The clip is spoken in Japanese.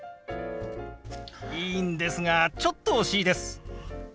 いいんですがちょっと惜しいです。